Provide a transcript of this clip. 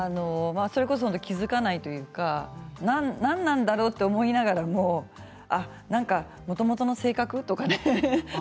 それこそ気付かないというか何なんだろう？と思いながらもなんか、もともとの性格？とかね。